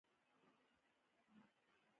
زه د ډیټا ساینس کورس تعقیبوم.